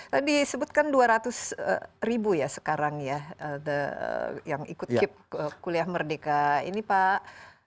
tadi disebutkan dua ratus ribu ya sekarang ya yang ikut keep kuliah merdeka ini pak